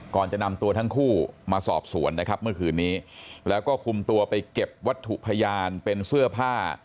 จะนำตัวทั้งคู่มาสอบสวนนะครับเมื่อคืนนี้แล้วก็คุมตัวไปเก็บวัตถุพยานเป็นเสื้อผ้า